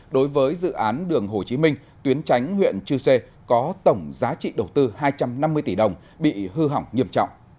đối với dự án đường hồ chí minh tuyến tránh huyện chư sê có tổng giá trị đầu tư hai trăm năm mươi tỷ đồng bị hư hỏng nghiêm trọng